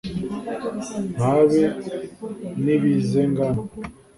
ntabe nibize ngarame